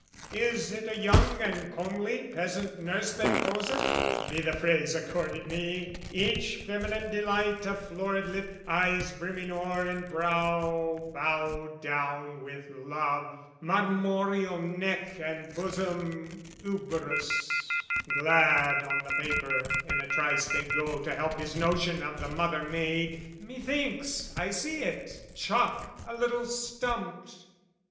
Is it a young and comely peasant nurse That poseth? (be the phrase accorded me!) Each feminine delight of florid lip, Eyes brimming o'er and brow bowed down with love, Marmoreal neck and bosom uberous, Glad on the paper in a trice they go To help his notion of the Mother Maid: Methinks I see it, chalk a little stumped!